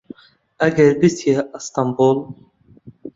ئەگەر پچیە ئەستەمبول